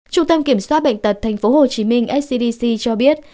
trung tâm kiểm soát bệnh tật tp hcm scdc cho biết